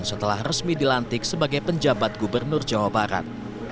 setelah resmi dilantik sebagai penjabat gubernur jawa barat